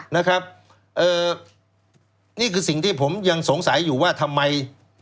นี่คือสิ่งที่ผมยังสงสัยอยู่ว่าทำไม